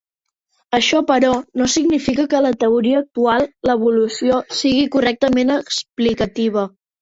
Això, però, no significa que la teoria actual de l"evolució sigui correctament explicativa.